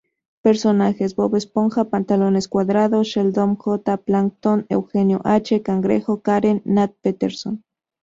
Personajes: Bob Esponja Pantalones Cuadrados, Sheldon J. Plankton, Eugenio H. Cangrejo, Karen, Nat Peterson.